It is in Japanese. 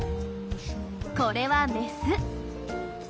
これはメス。